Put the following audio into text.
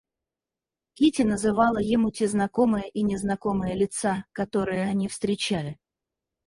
Кити называла ему те знакомые и незнакомые лица, которые они встречали.